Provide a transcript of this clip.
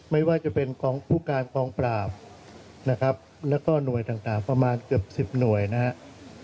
ไม่ว่าจะเป็นกองผู้การกองปราบนะครับแล้วก็หน่วยต่างประมาณเกือบ๑๐หน่วยนะครับ